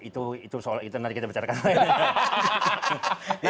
itu itu soal itu nanti kita bicarakan lainnya